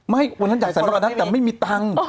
ไม่วันนั้นอยากใส่มากกว่านั้นแต่ไม่มีตังค์